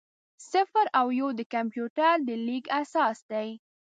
صفر او یو د کمپیوټر د لیک اساس دی.